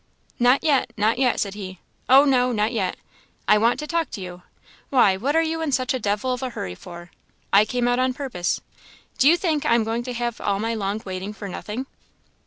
"Not yet, not yet," said he "oh no, not yet. I want to talk to you; why, what are you in such a devil of a hurry for? I came out on purpose; do you think I am going to have all my long waiting for nothing?"